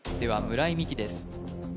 村井美樹です